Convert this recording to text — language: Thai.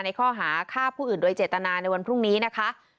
ในข้อหาฆ่าผู้อื่นโดยเจตนาในวันพรุ่งนี้นะคะ